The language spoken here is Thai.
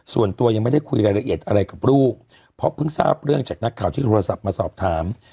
ส่วนตัวยังไม่ได้คุยรายละเอียดอะไรกับลูกเพราะเพิ่งทราบเรื่องจากนักข่าวที่โทรศัพท์มาสอบถาม